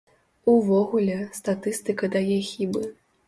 Увогуле, статыстыка дае хібы.